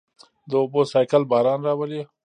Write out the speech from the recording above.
د اوبو سائیکل باران راولي.